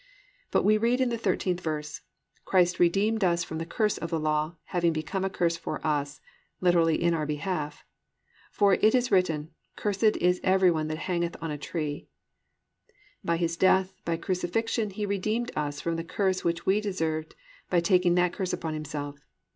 "+ But we read in the 13th verse, +"Christ redeemed us from the curse of the law, having become a curse for us+ (literally, in our behalf): +for it is written, Cursed is every one that hangeth on a tree."+ _By His death by crucifixion He redeemed us from the curse which we deserved by taking that curse upon Himself.